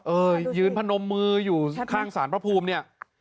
ยืนพนมมืออยู่ข้างสารพระภูมิเนี่ย